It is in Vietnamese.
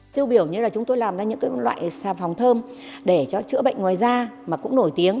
tiêu biểu như là chúng tôi làm ra những loại xà phòng thơm để cho chữa bệnh ngoài da mà cũng nổi tiếng